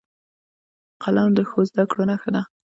قلم د ښو زدهکړو نښه ده